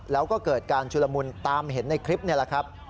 แล้วก็เกิดการชุลมุนตามเห็นในคลิปนี่แหละครับ